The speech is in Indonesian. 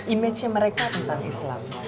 image mereka tentang islam